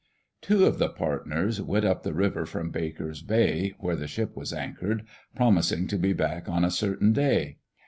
Two of the partners went up the river from Baker's Bay, where the ship was anchored, promising to be back on a certain day.